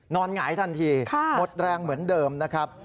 หงายทันทีหมดแรงเหมือนเดิมนะครับ